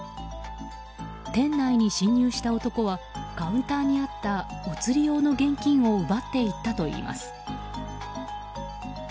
店内に侵入した男はカウンターにあったお釣り用の現金を奪っていったといいます。